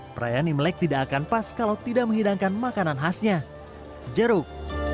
perayaan imlek tidak akan pas kalau tidak menghidangkan makanan khasnya jeruk